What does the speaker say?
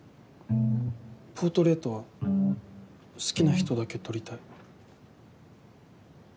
ポートレートは好きな人だけ撮りたい。